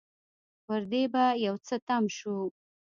پر دې به يو څه تم شو.